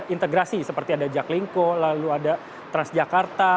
integrasi seperti ada jaklingko lalu ada transjakarta